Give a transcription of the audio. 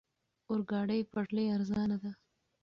اورګاډي پټلۍ ارزانه ده.